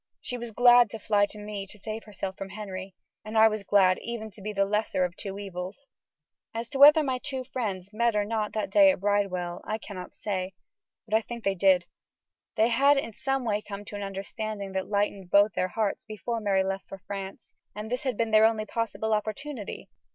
She was glad to fly to me to save herself from Henry, and I was glad even to be the lesser of two evils. As to whether my two friends met or not that day at Bridewell I cannot say; but I think they did. They had in some way come to an understanding that lightened both their hearts before Mary left for France, and this had been their only possible opportunity.